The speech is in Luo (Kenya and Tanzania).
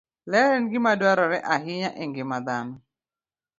Ler en gima dwarore ahinya e ngima dhano.